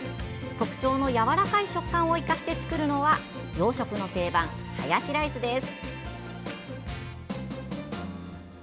特徴のやわらかい食感を生かして作るのは洋食の定番、ハヤシライスです。